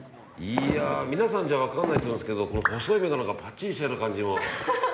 皆さんじゃわかんないと思いますけど、細い眼鏡がぱっちりした感じで。